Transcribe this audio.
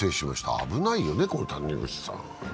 危ないよね、これ、谷口さん。